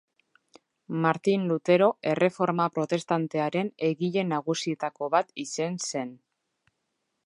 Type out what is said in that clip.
Martin Lutero erreforma protestantearen egile nagusietako bat izen zen.